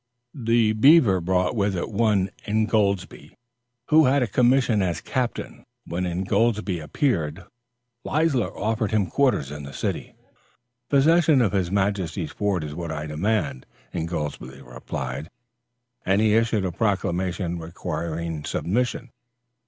The Beaver brought with it one Ingoldsby, who had a commission as captain. When Ingoldsby appeared, Leisler offered him quarters in the city: "Possession of his majesty's fort is what I demand," Ingoldsby replied, and he issued a proclamation requiring submission.